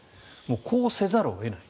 こうせざるを得ないと。